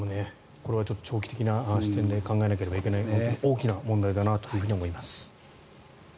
これはちょっと長期的な視点で考えないといけない大きな問題だなと思います。